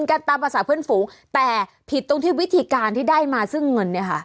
กันตามภาษาเพื่อนฝูงแต่ผิดตรงที่วิธีการที่ได้มาซึ่งเงินเนี่ยค่ะ